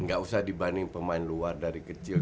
gak usah dibanding pemain luar dari kecil